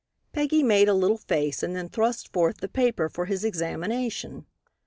Peggy made a little face and then thrust forth the paper for his examination.